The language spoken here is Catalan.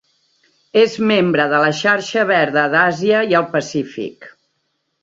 És membre de la Xarxa Verda d'Àsia i el Pacífic.